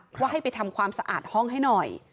เพราะให้ไปทำความสะอาดห้องให้หน่อย